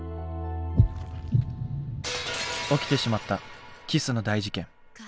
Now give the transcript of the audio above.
起きてしまったキスの大事件。